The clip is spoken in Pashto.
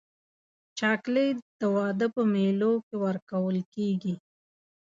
چاکلېټ د واده په مېلو کې ورکول کېږي.